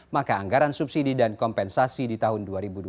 maka anggaran subsidi dan kompensasi di tahun dua ribu dua puluh